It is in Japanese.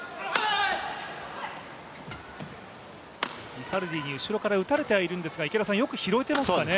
リファルディに後ろから打たれてはいるんですがよく拾えていますかね。